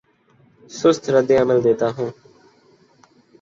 سست رد عمل دیتا ہوں